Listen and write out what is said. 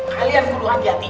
kalian perlu hati hati